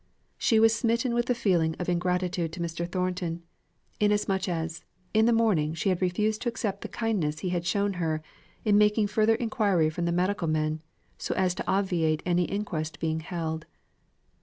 She was smitten with a feeling of ingratitude to Mr. Thornton, inasmuch as, in the morning, she had refused to accept the kindness he had shown her in making further inquiry from the medical men, so as to obviate any inquest being held.